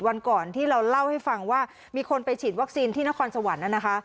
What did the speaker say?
วันก่อนที่เราเล่าให้ฟังว่ามีคนไปฉีดวัคซีนที่นครสวรรค์นะคะ